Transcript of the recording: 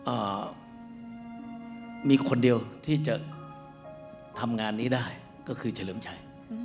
อ่ามีคนเดียวที่จะทำงานนี้ได้ก็คือเฉลิมชัย